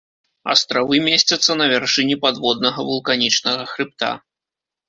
Астравы месцяцца на вяршыні падводнага вулканічнага хрыбта.